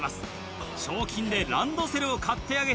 賞金でランドセルを買ってあげたい。